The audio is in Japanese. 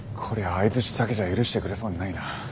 相づちだけじゃ許してくれそうにないな。